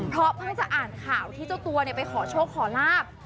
เพราะเพิ่งจะอ่านข่าวที่เจ้าตัวไปขอโชคขอลาบ